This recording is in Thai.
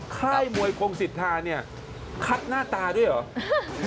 ค่ายมวยคงศิษย์ภาคศิษย์คัดหน้าตาด้วยเหรอ